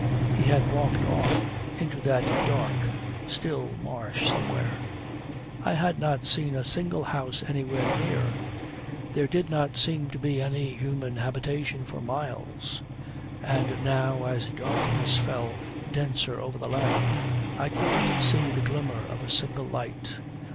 He had walked off into that dark, still marsh somewhere. I had not seen a single house anywhere near; there did not seem to be any human habitation for miles; and now as darkness fell denser over the land I couldn't see the glimmer of a single light.